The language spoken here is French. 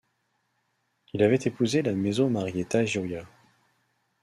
Il avait épousé la mezzo Marietta Gioia.